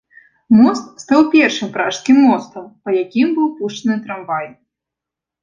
Мост стаў першым пражскім мостам, па якім быў пушчаны трамвай.